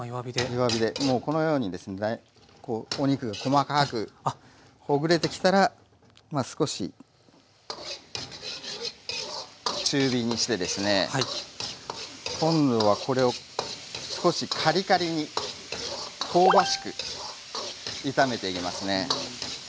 弱火でもうこのようにですねこうお肉が細かくほぐれてきたらまあ少し中火にしてですね今度はこれを少しカリカリに香ばしく炒めていきますね。